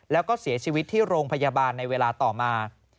แล้วก็เสียชีวิตที่โรงพยาบาลในเวลาต่อมา